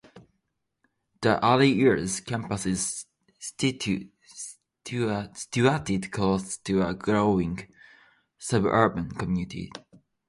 The Early Years Campus is situated close to a growing suburban community.